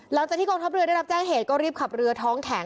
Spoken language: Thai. หลังจากที่กองทัพเรือได้รับแจ้งเหตุก็รีบขับเรือท้องแข็ง